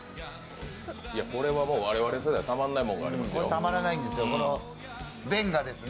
これはもう、我々世代たまらないものがありますよ。